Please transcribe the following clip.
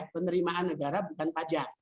penerimaan negara bukan pacar